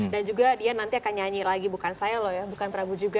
dan juga dia nanti akan nyanyi lagi bukan saya loh ya bukan prabu juga